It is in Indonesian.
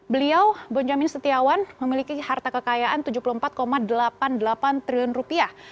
beliau bonyamin setiawan memiliki harta kekayaan tujuh puluh empat delapan puluh delapan triliun rupiah